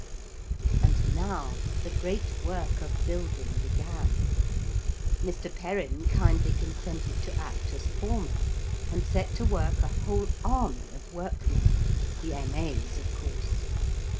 And now the great work of building began. Mr. Perrin kindly consented to act as foreman and set to work a whole army of workmen the M.A.'s of course.